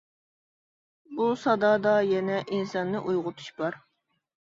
بۇ سادادا يەنە ئىنساننى ئويغىتىش بار.